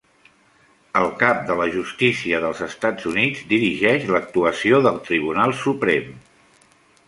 El Cap de la Justícia dels Estats Units dirigeix l'actuació del Tribunal Suprem.